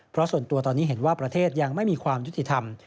เพราะส่วนตัวตอนนี้เห็นว่าประเทศยังไม่มีความยุติธรรม